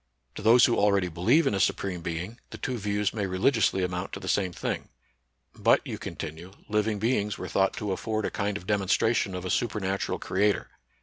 To those who already believe in a Supreme Being the two views may religiously amount to the same thing. But, you continue, living beings were thought to afford a kind of demonstration of a supernatural creator.